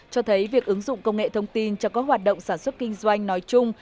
cho thấy việc ứng dụng công nghệ thông tin cho các hoạt động sản xuất kinh doanh nói chung